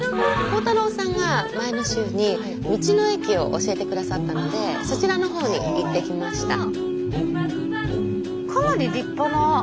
浩太朗さんが前の週に道の駅を教えて下さったのでそちらの方に行ってきました。